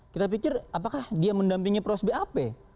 kita pikir apakah dia mendampingi proses bap